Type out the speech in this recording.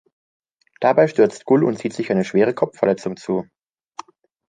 Dabei stürzt Gull und zieht sich eine schwere Kopfverletzung zu.